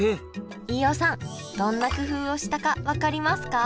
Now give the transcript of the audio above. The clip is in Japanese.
飯尾さんどんな工夫をしたか分かりますか？